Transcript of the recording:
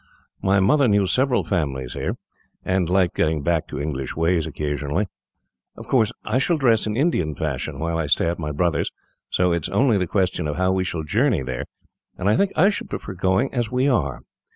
My mother knew several families here, and liked getting back to English ways, occasionally. "Of course, I shall dress in Indian fashion while I stay at my brother's, so it is only the question of how we shall journey there, and I think I should prefer going as we are.